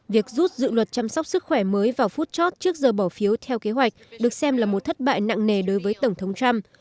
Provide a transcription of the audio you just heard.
việc rút dự luật chăm sóc sức khỏe mới vào phút chót trước giờ bỏ phiếu theo kế hoạch được xem là một thất bại nặng nề đối với tổng thống trump